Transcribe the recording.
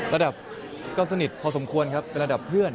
ระดับก็สนิทพอสมควรครับเป็นระดับเพื่อน